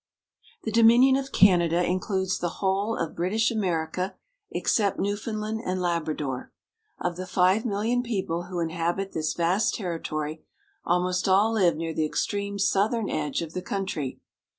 THE Dominion of Canada includes the whole of British America except Newfoundland and Labrador. Of the five milHon people who inhabit this vast territory, almost all live near the extreme southern edge of the country.